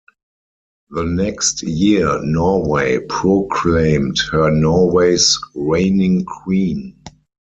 The next year Norway proclaimed her Norway's "reigning queen".